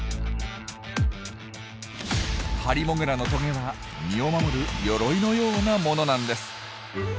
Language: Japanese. ハリモグラのトゲは身を守る鎧のようなものなんです。